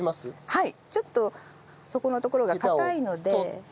はい。